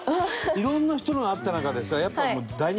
いろんな人のがあった中でさ。